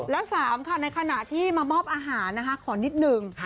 และสามในขณะที่มามอบอาหารขอนิดหนึ่ง